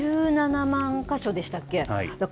ただ、１７万か所でしたっけ？